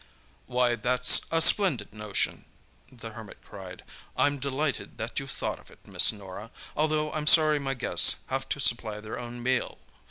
"Why, that's a splendid notion," the Hermit cried. "I'm delighted that you thought of it, Miss Norah, although I'm sorry my guests have to supply their own meal!